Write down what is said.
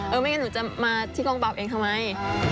ไม่งั้นหนูจะมาที่กองปราบเองทำไม